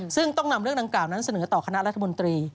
ซึ่งต้องนำเรื่องดังกล่าวนั้นเสนอต่อคณะรัฐมนตรี